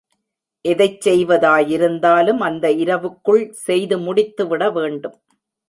எதைச் செய்வதாயிருந்தாலும் அந்த இரவுக்குள் செய்து முடித்துவிடவேண்டும்.